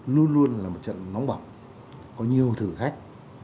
luôn luôn là một trận nóng bỏng có nhiều thử thách